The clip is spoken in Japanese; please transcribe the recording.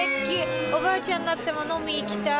おばあちゃんになっても飲み行きたい。